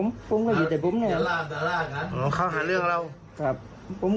ไม่มันแหละเนี้ยมันมันก็มันอะโกะตี่กับฟีล์มอ่ะ